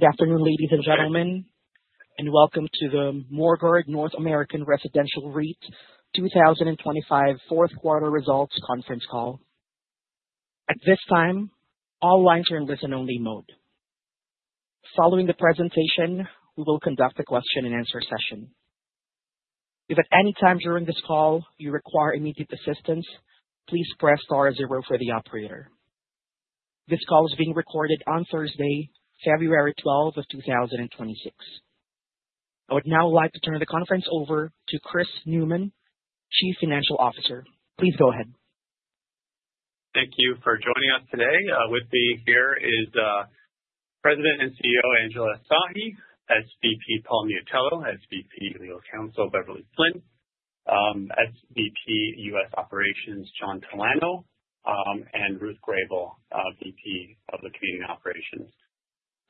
Good afternoon, ladies and gentlemen, and welcome to the Morguard North American Residential REIT 2025 Q4 Results Conference Call. At this time, all lines are in listen-only mode. Following the presentation, we will conduct a question-and-answer session. If at any time during this call you require immediate assistance, please press star zero for the operator. This call is being recorded on Thursday, February 12, 2026. I would now like to turn the conference over to Chris Newman, Chief Financial Officer. Please go ahead. Thank you for joining us today. With me here is President and CEO, Angela Sahi, SVP Paul Miatello, SVP Legal Counsel Beverley Flynn, SVP U.S. Operations John Talano, and Ruth Gorall, VP of the Community and Operations.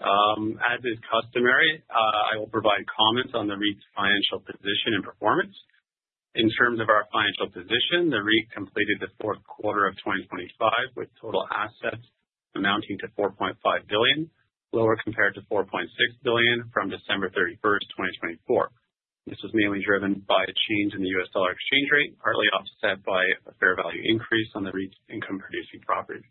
As is customary, I will provide comments on the REIT's financial position and performance. In terms of our financial position, the REIT completed the Q4 of 2025, with total assets amounting to 4.5 billion, lower compared to 4.6 billion from December 31, 2024. This was mainly driven by a change in the U.S. dollar exchange rate, partly offset by a fair value increase on the REIT's income-producing property.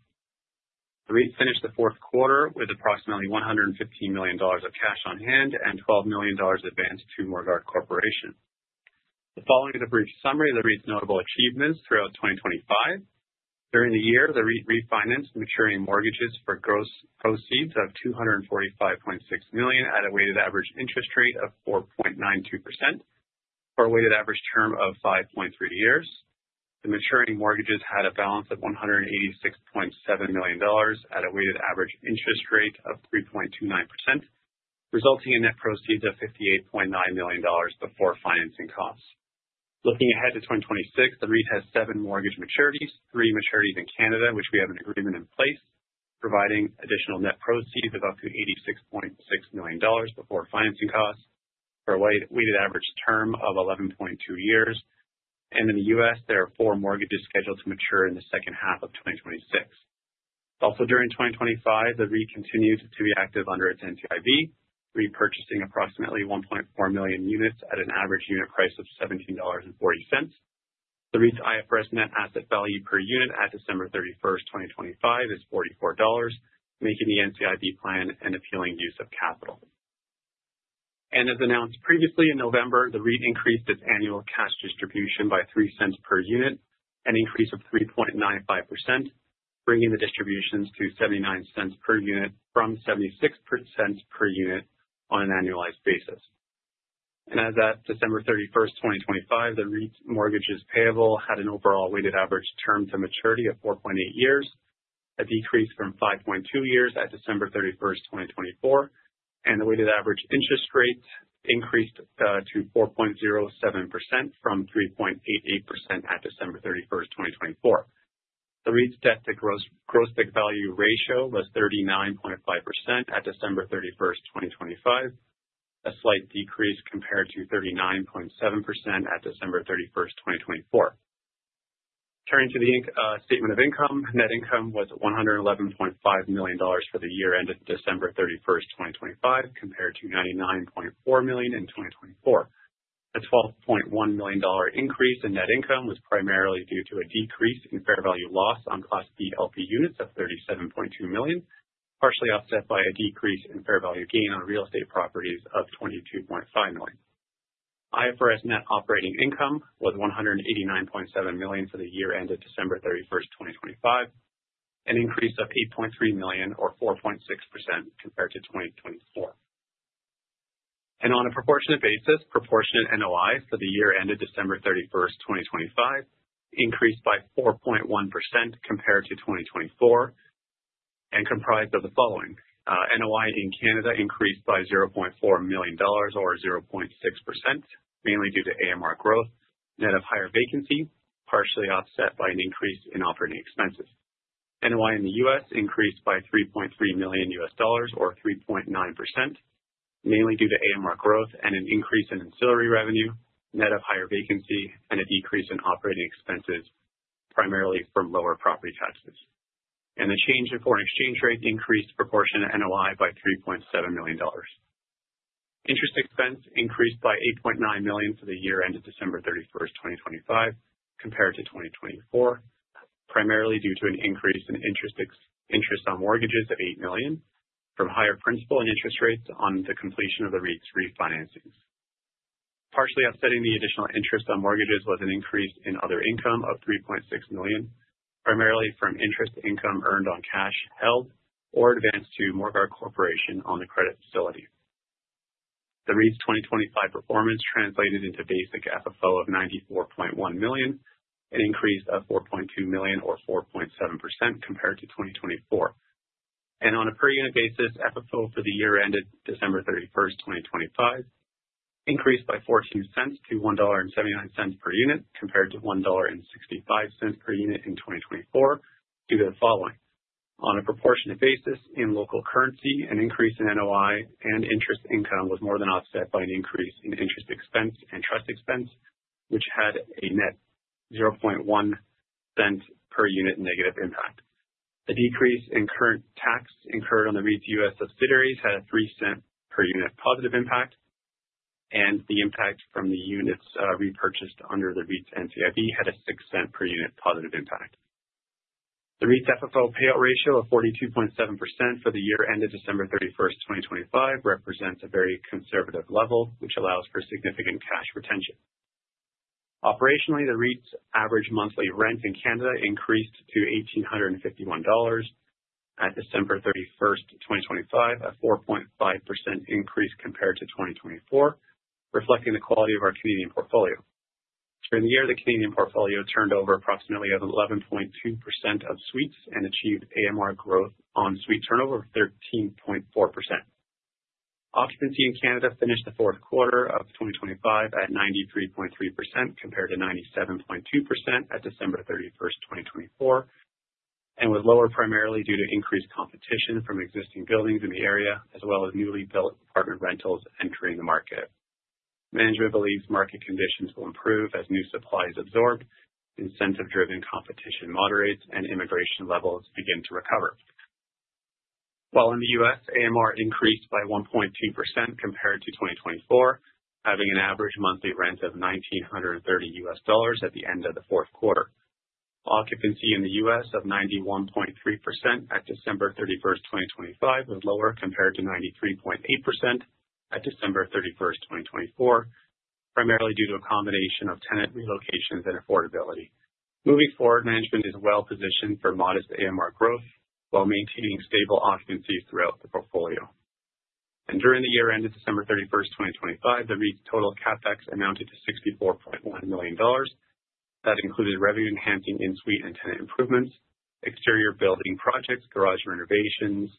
The REIT finished the Q4 with approximately $115 million of cash on hand and $12 million advanced to Morguard Corporation. The following is a brief summary of the REIT's notable achievements throughout 2025. During the year, the REIT refinanced maturing mortgages for gross proceeds of CAD 245.6 million at a weighted average interest rate of 4.92% for a weighted average term of 5.3 years. The maturing mortgages had a balance of 186.7 million dollars at a weighted average interest rate of 3.29%, resulting in net proceeds of 58.9 million dollars before financing costs. Looking ahead to 2026, the REIT has seven mortgage maturities, three maturities in Canada, which we have an agreement in place, providing additional net proceeds of up to 86.6 million dollars before financing costs for a weighted average term of 11.2 years. In the US, there are 4 mortgages scheduled to mature in the second half of 2026. Also, during 2025, the REIT continued to be active under its NCIB, repurchasing approximately 1.4 million units at an average unit price of 17.40 dollars. The REIT's IFRS net asset value per unit at December 31, 2025, is 44 dollars, making the NCIB plan an appealing use of capital. As announced previously in November, the REIT increased its annual cash distribution by 0.03 per unit, an increase of 3.95%, bringing the distributions to 0.79 per unit from 0.76 per unit on an annualized basis. As at December 31, 2025, the REIT's mortgages payable had an overall weighted average term to maturity of 4.8 years, a decrease from 5.2 years at December 31, 2024, and the weighted average interest rate increased to 4.07% from 3.8% at December 31, 2024. The REIT's debt to gross, gross debt value ratio was 39.5% at December 31, 2025, a slight decrease compared to 39.7% at December 31, 2024. Turning to the statement of income, net income was 111.5 million dollars for the year ended December 31, 2025, compared to 99.4 million in 2024. The 12.1 million dollar increase in net income was primarily due to a decrease in fair value loss on Class B LP units of 37.2 million, partially offset by a decrease in fair value gain on real estate properties of 22.5 million. IFRS net operating income was 189.7 million for the year ended December 31, 2025, an increase of 8.3 million or 4.6% compared to 2024. On a proportionate basis, proportionate NOI for the year ended December 31, 2025, increased by 4.1% compared to 2024 and comprised of the following: NOI in Canada increased by 0.4 million dollars or 0.6%, mainly due to AMR growth net of higher vacancy, partially offset by an increase in operating expenses. NOI in the US increased by $3.3 million, or 3.9%, mainly due to AMR growth and an increase in ancillary revenue, net of higher vacancy, and a decrease in operating expenses, primarily from lower property taxes. The change in foreign exchange rate increased proportionate NOI by 3.7 million dollars. Interest expense increased by 8.9 million for the year ended December 31, 2025, compared to 2024, primarily due to an increase in interest expense on mortgages of 8 million from higher principal and interest rates on the completion of the REIT's refinancings. Partially offsetting the additional interest on mortgages was an increase in other income of 3.6 million, primarily from interest income earned on cash held or advanced to Morguard Corporation on the credit facility. The REIT's 2025 performance translated into basic FFO of 94.1 million, an increase of 4.2 million or 4.7% compared to 2024. And on a per unit basis, FFO for the year ended December 31, 2025, increased by 0.14 to 1.79 dollar per unit, compared to 1.65 dollar per unit in 2024 due to the following: On a proportionate basis in local currency, an increase in NOI and interest income was more than offset by an increase in interest expense and trust expense, which had a net 0.1 cents per unit negative impact. The decrease in current tax incurred on the REIT's U.S. subsidiaries had a 0.03 per unit positive impact, and the impact from the units repurchased under the REIT's NCIB had a 0.06 per unit positive impact. The REIT's FFO payout ratio of 42.7% for the year ended December 31, 2025, represents a very conservative level, which allows for significant cash retention. Operationally, the REIT's average monthly rent in Canada increased to 1,851 dollars at December 31, 2025, a 4.5% increase compared to 2024, reflecting the quality of our Canadian portfolio. For the year, the Canadian portfolio turned over approximately 11.2% of suites and achieved AMR growth on suite turnover of 13.4%. Occupancy in Canada finished the Q4 of 2025 at 93.3%, compared to 97.2% at December 31, 2024, and was lower primarily due to increased competition from existing buildings in the area, as well as newly built apartment rentals entering the market. Management believes market conditions will improve as new supply is absorbed, incentive-driven competition moderates, and immigration levels begin to recover. While in the U.S., AMR increased by 1.2% compared to 2024, having an average monthly rent of $1,930 at the end of the Q4. Occupancy in the U.S. of 91.3% at December 31, 2025, was lower compared to 93.8% at December 31, 2024, primarily due to a combination of tenant relocations and affordability. Moving forward, management is well positioned for modest AMR growth while maintaining stable occupancies throughout the portfolio. During the year ended December 31, 2025, the REIT's total CapEx amounted to 64.1 million dollars. That included revenue-enhancing in-suite and tenant improvements, exterior building projects, garage renovations,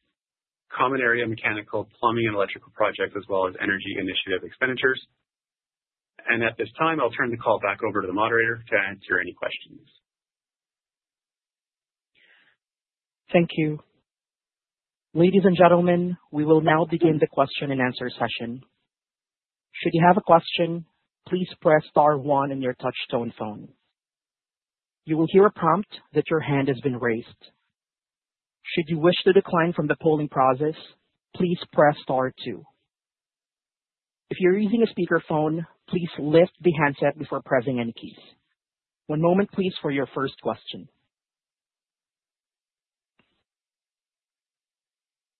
common area, mechanical, plumbing, and electrical projects, as well as energy initiative expenditures. At this time, I'll turn the call back over to the moderator to answer any questions. Thank you. Ladies and gentlemen, we will now begin the question-and-answer session. Should you have a question, please press star one on your touch-tone phone. You will hear a prompt that your hand has been raised. Should you wish to decline from the polling process, please press star two. If you're using a speakerphone, please lift the handset before pressing any keys. One moment, please, for your first question.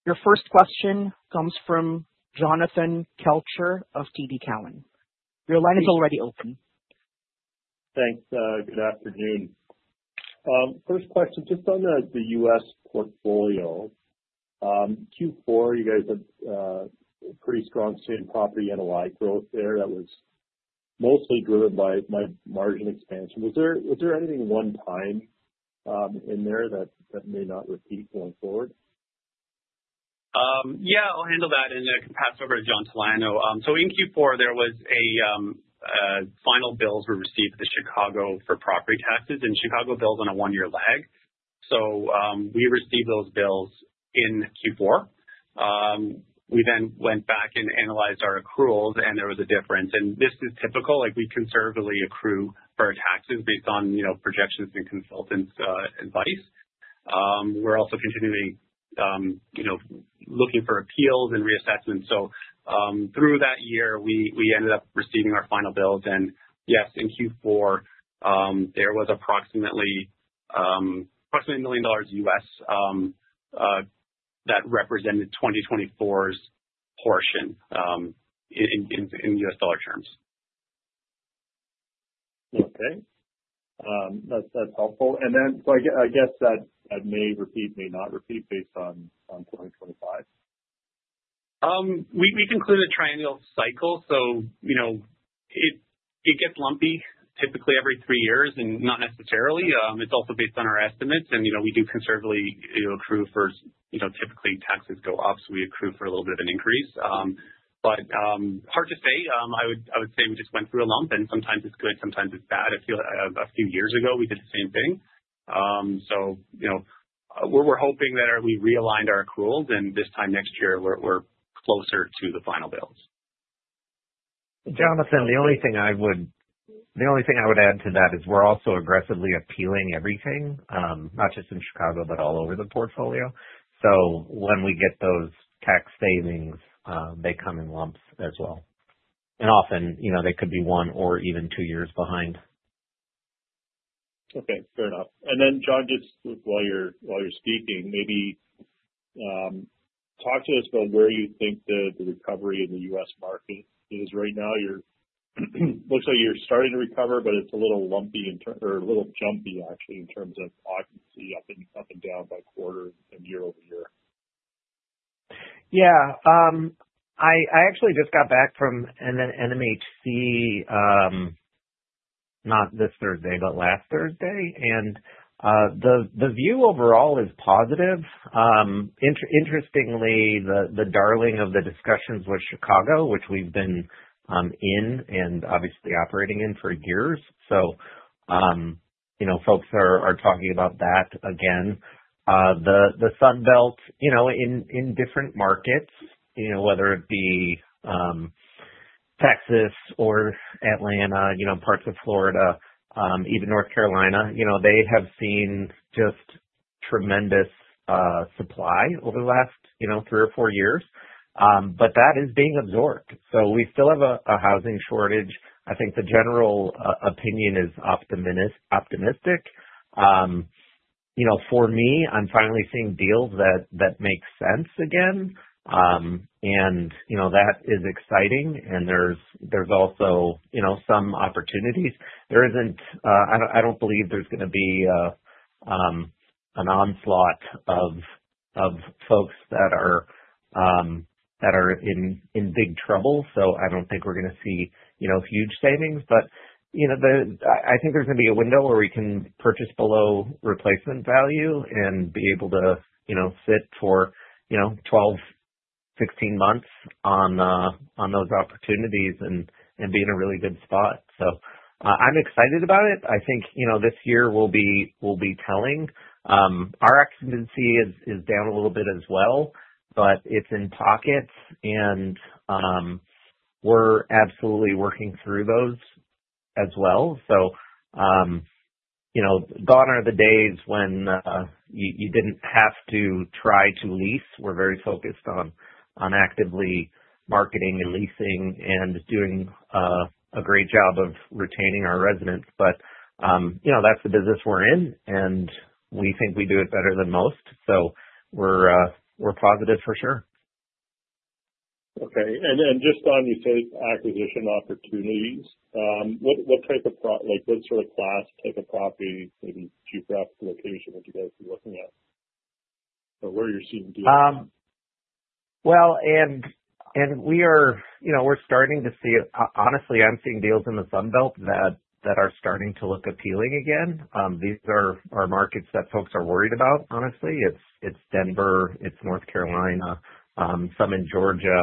Your first question comes from Jonathan Kelcher of TD Cowen. Your line is already open. Thanks, good afternoon. First question, just on the U.S. portfolio. Q4, you guys had pretty strong same property NOI growth there. That was mostly driven by margin expansion. Was there anything one-time in there that may not repeat going forward? Yeah, I'll handle that and then pass over to John Talano. So in Q4, final bills were received in Chicago for property taxes, and Chicago bills on a one-year lag. So, we received those bills in Q4. We then went back and analyzed our accruals, and there was a difference. And this is typical. Like, we conservatively accrue for our taxes based on, you know, projections and consultants advice. We're also continuing, you know, looking for appeals and reassessments. So, through that year, we ended up receiving our final bills. And yes, in Q4, there was approximately $1 million that represented 2024's portion in U.S. dollar terms. Okay. That's, that's helpful. And then so I guess that, that may repeat, may not repeat based on, on 2025. We concluded a triennial cycle, so, you know, it gets lumpy typically every three years, and not necessarily. It's also based on our estimates. You know, we do conservatively, you know, accrue for, you know, typically taxes go up, so we accrue for a little bit of an increase. But hard to say. I would say we just went through a lump, and sometimes it's good, sometimes it's bad. I feel a few years ago, we did the same thing. You know, we're hoping that we realigned our accruals and this time next year, we're closer to the final bills. Jonathan, the only thing I would add to that is we're also aggressively appealing everything. Not just in Chicago, but all over the portfolio. So when we get those tax savings, they come in lumps as well. And often, you know, they could be one or even two years behind. Okay, fair enough. And then, John, just while you're speaking, maybe talk to us about where you think the recovery in the U.S. market is right now. You're... Looks like you're starting to recover, but it's a little lumpy or a little jumpy, actually, in terms of occupancy up and down by quarter and year-over-year. Yeah, I actually just got back from an NMHC not this Thursday, but last Thursday. The view overall is positive. Interestingly, the darling of the discussions was Chicago, which we've been in and obviously operating in for years. So, you know, folks are talking about that again. The Sun Belt, you know, in different markets, you know, whether it be Texas or Atlanta, you know, parts of Florida, even North Carolina, you know, they have seen just tremendous supply over the last, you know, three or four years. But that is being absorbed. So we still have a housing shortage. I think the general opinion is optimistic. You know, for me, I'm finally seeing deals that make sense again. And, you know, that is exciting, and there's also, you know, some opportunities. There isn't, I don't, I don't believe there's gonna be an onslaught of folks that are in big trouble, so I don't think we're gonna see, you know, huge savings. But, you know, I think there's gonna be a window where we can purchase below replacement value and be able to, you know, sit for, you know, 12, 16 months on those opportunities and be in a really good spot. So, I'm excited about it. I think, you know, this year will be telling. Our occupancy is down a little bit as well, but it's in pockets, and we're absolutely working through those as well. So, you know, gone are the days when you didn't have to try to lease. We're very focused on actively marketing and leasing and doing a great job of retaining our residents. But, you know, that's the business we're in, and we think we do it better than most, so we're positive for sure. Okay. And then just on, you said acquisition opportunities, what type of property like, what sort of class type of property and geographic location would you guys be looking at? So where are you seeing deals? Well, and we are... You know, we're starting to see it. Honestly, I'm seeing deals in the Sun Belt that are starting to look appealing again. These are markets that folks are worried about, honestly. It's Denver, it's North Carolina, some in Georgia.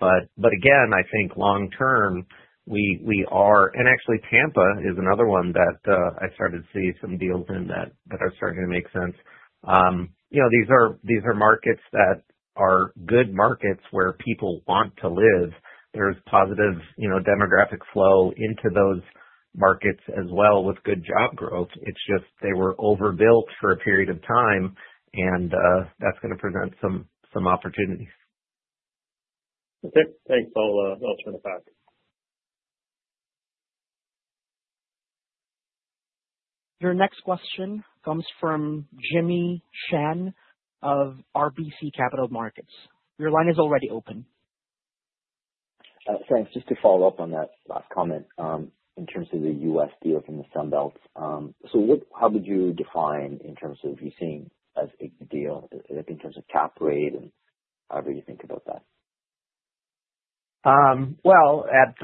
But again, I think long term, we are, and actually, Tampa is another one that I started to see some deals in that are starting to make sense. You know, these are markets that are good markets where people want to live. There's positive, you know, demographic flow into those markets as well, with good job growth. It's just they were overbuilt for a period of time, and that's gonna present some opportunities. Okay, thanks. I'll turn it back. Your next question comes from Jimmy Shan of RBC Capital Markets. Your line is already open. Thanks. Just to follow up on that last comment, in terms of the U.S. deal from the Sun Belt, so what, how would you define in terms of you seeing as a deal in terms of cap rate and however you think about that? Well, at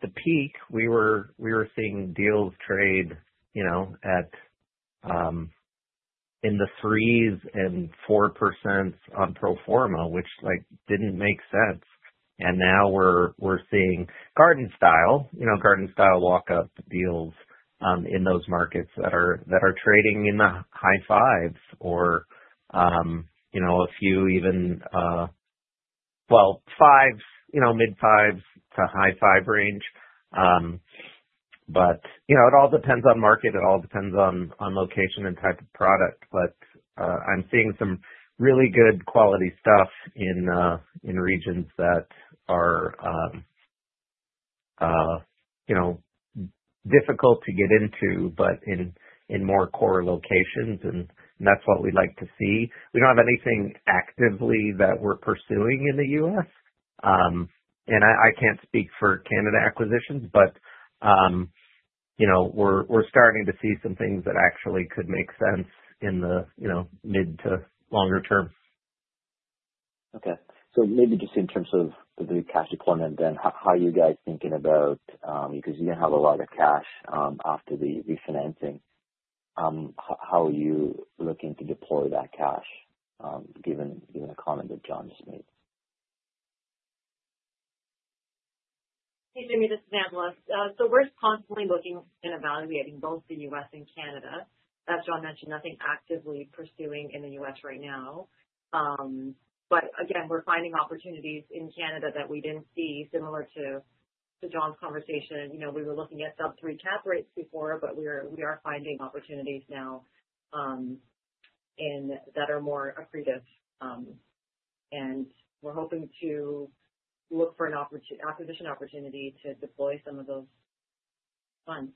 the peak, we were seeing deals trade, you know, at in the 3% and 4% on pro forma, which, like, didn't make sense. And now we're seeing garden style, you know, garden style walk-up deals, in those markets that are trading in the high 5s or, you know, a few even, well, 5s, you know, mid-5% to high-5% range. But, you know, it all depends on market, it all depends on, on location and type of product. But, I'm seeing some really good quality stuff in, in regions that are, you know, difficult to get into, but in, in more core locations, and that's what we'd like to see. We don't have anything actively that we're pursuing in the U.S. And I can't speak for Canada acquisitions, but you know, we're starting to see some things that actually could make sense in the, you know, mid- to longer-term. Okay. So maybe just in terms of the cash deployment then, how are you guys thinking about, because you have a lot of cash, after the refinancing, how are you looking to deploy that cash, given, given the comment that John just made? Hey, Jimmy, this is Anne Lewis. So we're constantly looking and evaluating both the U.S. and Canada. As John mentioned, nothing actively pursuing in the U.S. right now. But again, we're finding opportunities in Canada that we didn't see similar to John's conversation. You know, we were looking at sub-3 cap rates before, but we are finding opportunities now, and that are more accretive. And we're hoping to look for an acquisition opportunity to deploy some of those funds.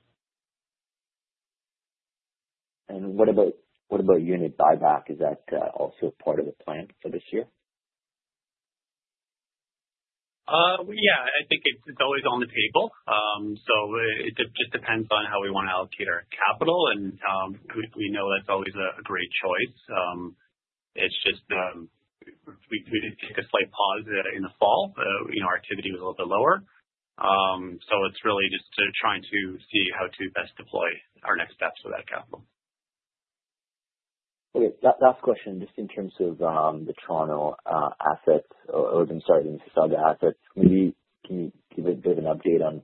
What about, what about unit buyback? Is that also part of the plan for this year? Yeah, I think it's always on the table. So it just depends on how we wanna allocate our capital and we know that's always a great choice. It's just we did take a slight pause in the fall. You know, our activity was a little bit lower. So it's really just to trying to see how to best deploy our next steps with that capital. Okay. Last question, just in terms of the Toronto assets, or even starting to sell the assets, can you give a bit of an update on-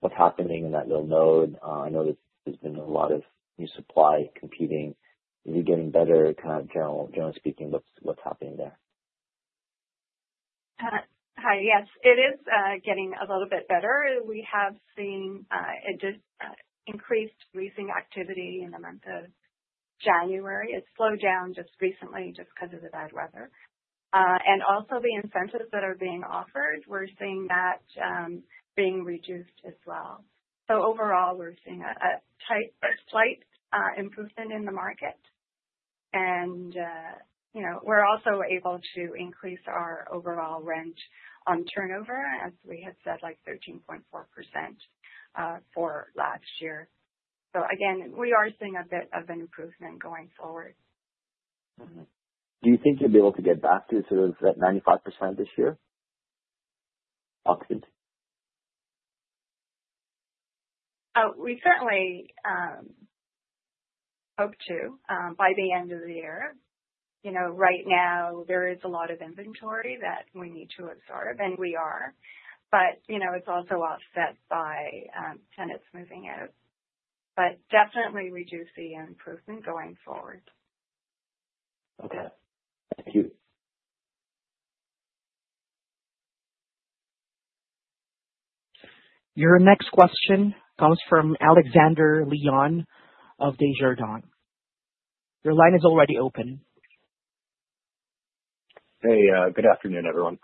What's happening in that little node? I know there's been a lot of new supply competing. Is it getting better, kind of, generally speaking, what's happening there? Hi. Yes, it is getting a little bit better. We have seen increased leasing activity in the month of January. It slowed down just recently, just because of the bad weather. And also the incentives that are being offered, we're seeing that being reduced as well. So overall, we're seeing a slight improvement in the market. And you know, we're also able to increase our overall rent on turnover, as we had said, like 13.4%, for last year. So again, we are seeing a bit of an improvement going forward. Mm-hmm. Do you think you'll be able to get back to sort of that 95% this year? Occupancy. We certainly hope to by the end of the year. You know, right now there is a lot of inventory that we need to absorb, and we are. But, you know, it's also offset by tenants moving out. But definitely we do see an improvement going forward. Okay. Thank you. Your next question comes from Alexander Leon of Desjardins. Your line is already open. Hey, good afternoon, everyone.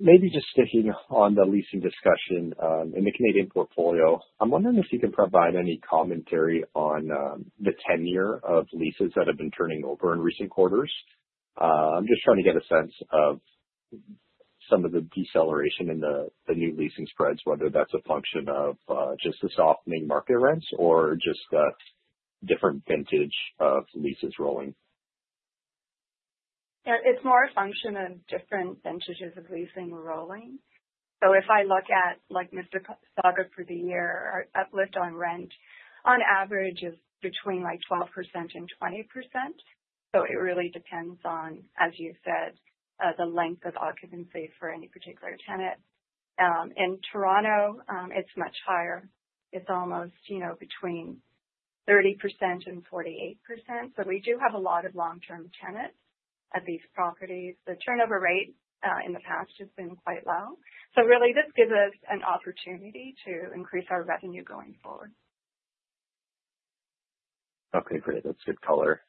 Maybe just sticking on the leasing discussion, in the Canadian portfolio, I'm wondering if you can provide any commentary on, the tenure of leases that have been turning over in recent quarters? I'm just trying to get a sense of some of the deceleration in the, the new leasing spreads, whether that's a function of, just the softening market rents or just the different vintage of leases rolling. Yeah, it's more a function of different vintages of leasing rolling. So if I look at, like, Mississauga for the year, our uplift on rent on average is between, like, 12% and 20%. So it really depends on, as you said, the length of occupancy for any particular tenant. In Toronto, it's much higher. It's almost, you know, between 30% and 48%. So we do have a lot of long-term tenants at these properties. The turnover rate in the past has been quite low. So really, this gives us an opportunity to increase our revenue going forward. Okay, great. That's good color.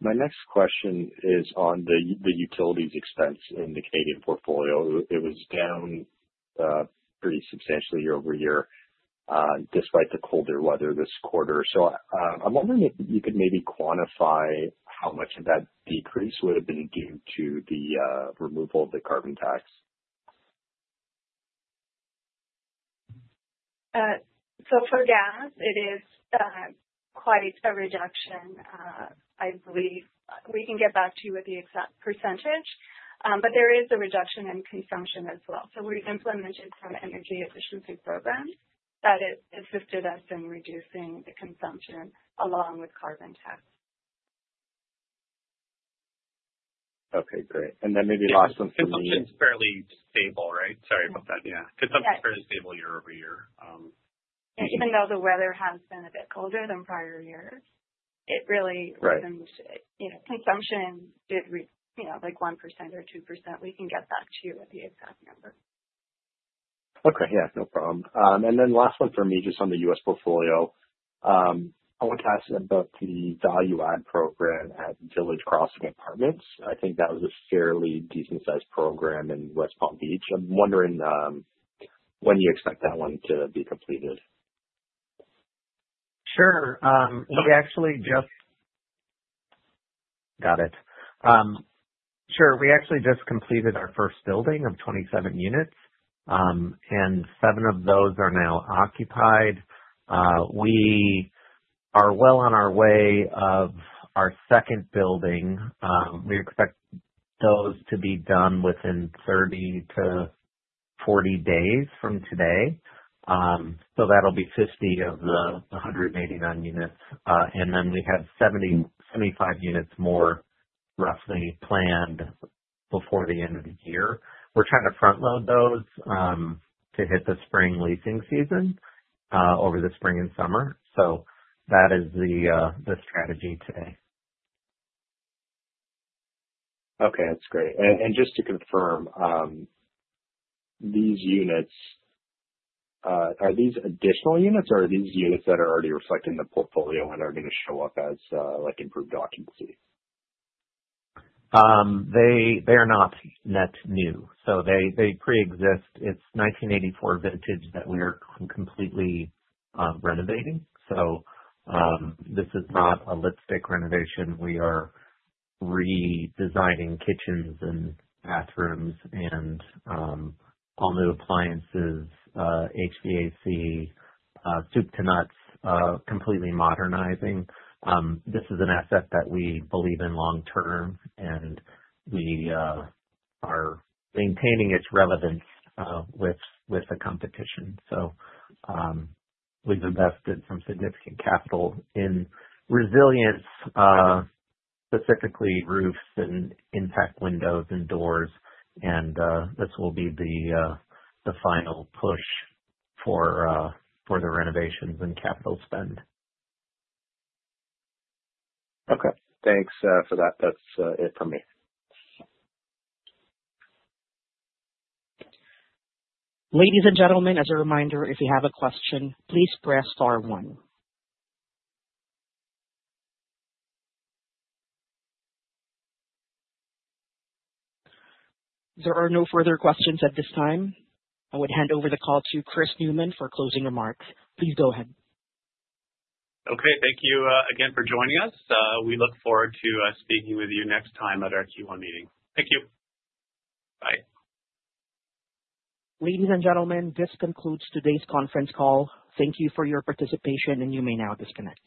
My next question is on the, the utilities expense in the Canadian portfolio. It was down pretty substantially year-over-year, despite the colder weather this quarter. So, I'm wondering if you could maybe quantify how much of that decrease would have been due to the removal of the carbon tax? So for gas, it is quite a reduction, I believe. We can get back to you with the exact percentage, but there is a reduction in consumption as well. So we've implemented some energy efficiency programs that it assisted us in reducing the consumption along with carbon tax. Okay, great. And then maybe last one for me- Consumption is fairly stable, right? Sorry about that. Yeah. Yeah. Consumption is fairly stable year over year. Even though the weather has been a bit colder than prior years, it really- Right. You know, consumption did you know, like 1% or 2%. We can get back to you with the exact number. Okay. Yeah, no problem. And then last one for me, just on the U.S. portfolio. I want to ask about the value add program at Village Crossing Apartments. I think that was a fairly decent sized program in West Palm Beach. I'm wondering, when you expect that one to be completed? Sure. We actually just completed our first building of 27 units, and seven of those are now occupied. We are well on our way of our second building. We expect those to be done within 30-40 days from today. So that'll be 50 of the 189 units. And then we have 70-75 units more, roughly planned before the end of the year. We're trying to front load those, to hit the spring leasing season, over the spring and summer. So that is the strategy today. Okay, that's great. And just to confirm, these units, are these additional units or are these units that are already reflected in the portfolio and are going to show up as, like, improved occupancy? They are not net new, so they preexist. It's 1984 vintage that we are completely renovating. So, this is not a lipstick renovation. We are redesigning kitchens and bathrooms and all new appliances, HVAC, soup to nuts, completely modernizing. This is an asset that we believe in long term, and we are maintaining its relevance with the competition. So, we've invested some significant capital in resilience, specifically roofs and impact windows and doors. This will be the final push for the renovations and capital spend. Okay, thanks for that. That's it for me. Ladies and gentlemen, as a reminder, if you have a question, please press star one. There are no further questions at this time. I would hand over the call to Chris Newman for closing remarks. Please go ahead. Okay. Thank you, again, for joining us. We look forward to speaking with you next time at our Q1 meeting. Thank you. Bye. Ladies and gentlemen, this concludes today's conference call. Thank you for your participation, and you may now disconnect.